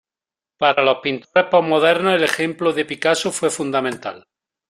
Para los pintores posmodernos, el ejemplo de Picasso fue fundamental.